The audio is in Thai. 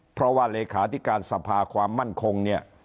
เพราะว่าเลขาธิการสภาความมั่นคงเนี่ย